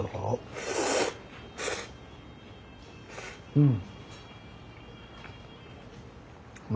うん。